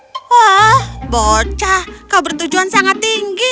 wah bocah kau bertujuan sangat tinggi